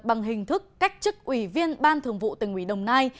bằng hình thức cách chức ủy viên ban thường vụ tỉnh ủy đồng nai